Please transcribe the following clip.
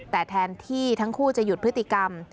แต่แทนที่ทั้งคู่จะหยุดพฤติกรรม